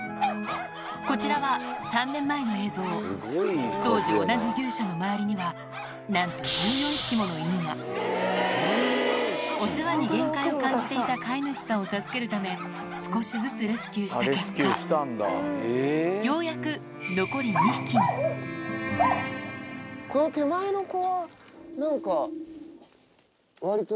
こちらは３年前の映像当時同じ牛舎の周りにはなんと１４匹もの犬がお世話に限界を感じていた飼い主さんを助けるため少しずつレスキューした結果ようやくこの手前の子は何か。